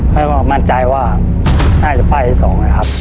เพราะว่ามั่นใจว่าน่าจะป้ายที่สองนะครับ